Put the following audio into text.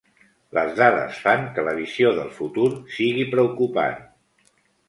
Les dades fan que la visió del futur sigui preocupant.